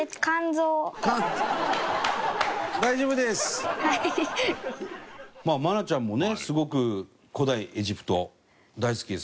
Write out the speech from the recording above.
伊達：愛菜ちゃんもね、すごく古代エジプト大好きですもんね。